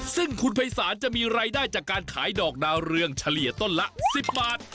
ซึ่งคุณภัยศาลจะมีรายได้จากการขายดอกดาวเรืองเฉลี่ยต้นละ๑๐บาท